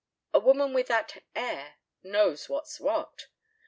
A woman with that "air" knows what's what.